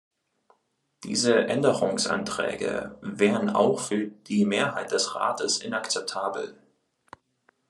Diese Änderungsanträge wären auch für die Mehrheit des Rates inakzeptabel.